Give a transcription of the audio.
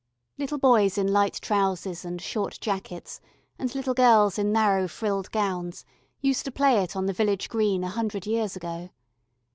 Little boys in light trousers and short jackets and little girls in narrow frilled gowns used to play it on the village green a hundred years ago.